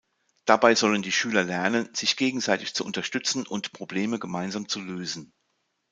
Dabei sollen die Schüler lernen, sich gegenseitig zu unterstützen und Probleme gemeinsam zu lösen.